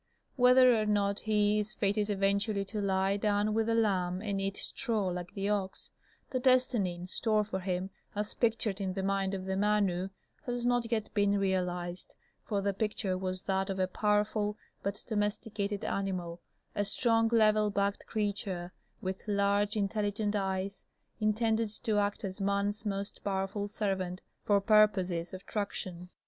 Whether or not he is fated eventually "to lie down with the lamb and eat straw like the ox," the destiny in store for him as pictured in the mind of the Manu has not yet been realized, for the picture was that of a powerful but domesticated animal a strong level backed creature, with large intelligent eyes, intended to act as man's most powerful servant for purposes of traction.